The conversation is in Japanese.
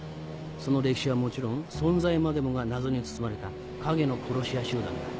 その歴史はもちろん存在までもが謎に包まれた陰の殺し屋集団だ。